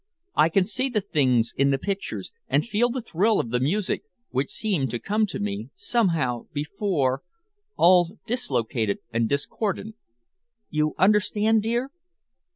I can see the things in the pictures, and feel the thrill of the music, which seemed to come to me, somehow, before, all dislocated and discordant. You understand, dear?"